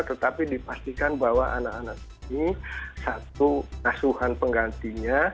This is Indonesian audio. tetapi dipastikan bahwa anak anak ini satu asuhan penggantinya